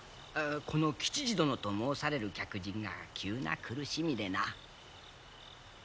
この吉次殿と申される客人が急な苦しみでな。